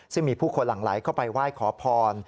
ซึ่งมีผู้คนหลั่งไหลเข้าไปไหว้ขอพร